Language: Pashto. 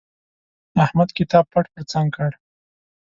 احمد کتاب پټ پر څنګ کړ.